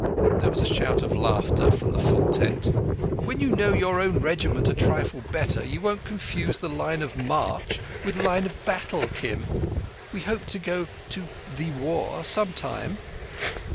There was a shout of laughter from the full tent. "When you know your own Regiment a trifle better you won't confuse the line of march with line of battle, Kim. We hope to go to 'thee War' sometime."